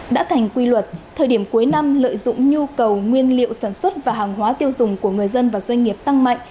đã thành quy luật thời điểm cuối năm lợi dụng nhu cầu nguyên liệu sản xuất và hàng hóa tiêu dùng của người dân và doanh nghiệp tăng mạnh